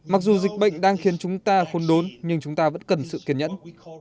mặc dù dịch bệnh đang khiến chúng ta khôn đốn nhưng chúng ta vẫn cần sự kiên nhẫn